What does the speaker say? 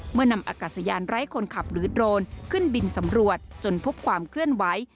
นำอากาศยานไร้คนขับหรือโดรนขึ้นบินสำรวจจนพบความเคลื่อนไหว